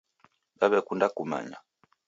Dawekunda kummanya